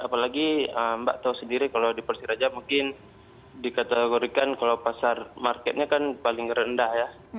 apalagi mbak tahu sendiri kalau di persiraja mungkin dikategorikan kalau pasar marketnya kan paling rendah ya